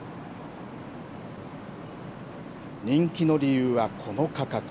人気の理由はこの価格。